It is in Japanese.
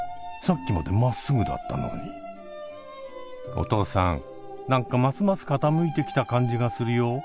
お父さん何かますます傾いてきた感じがするよ。